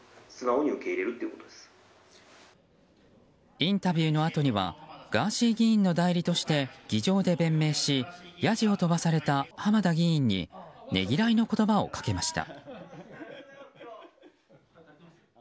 インタビューのあとにはガーシー議員の代理として議場で弁明しヤジを飛ばされた浜田議員にねぎらいの言葉をかけました。